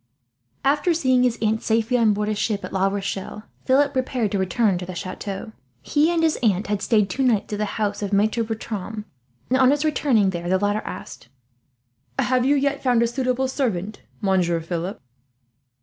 After seeing his aunt safely on board a ship at La Rochelle, Philip prepared to return to the chateau. He and his aunt had stayed two nights at the house of Maitre Bertram, and on his returning there the latter asked: "Have you yet found a suitable servant, Monsieur Philip?"